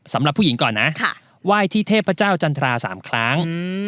สำหรับผู้หญิงก่อนนะไหว้ที่เทพเจ้าจันทรา๓ครั้ง